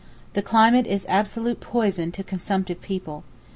The climate is absolute poison to consumptive people.